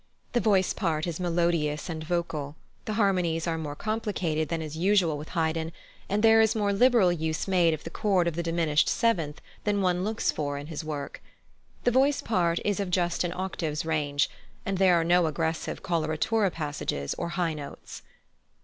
The voice part is melodious and vocal; the harmonies are more complicated than is usual with Haydn, and there is more liberal use made of the chord of the diminished seventh than one looks for in his work. The voice part is of just an octave's range, and there are no aggressive coloratura passages or high notes.